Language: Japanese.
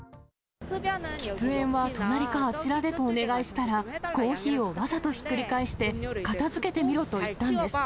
喫煙は隣かあちらでとお願いしたら、コーヒーをわざとひっくり返して、片づけてみろと言ったんです。